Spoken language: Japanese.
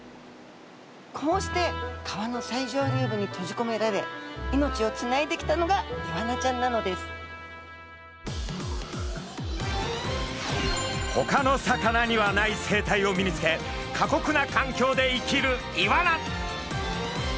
こうして川の最上流部に閉じこめられ命をつないできたのがイワナちゃんなのですほかの魚にはない生態を身につけ過酷な環境で生きるイワナ。